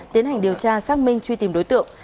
tiến hành điều tra xác minh truy tìm đối tượng